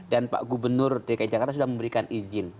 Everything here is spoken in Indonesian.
dan pak gubernur dki jakarta sudah memberikan izin